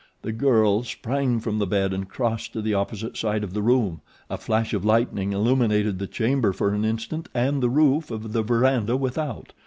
The girl sprang from the bed and crossed to the opposite side of the room. A flash of lightning illuminated the chamber for an instant and the roof of the verandah without.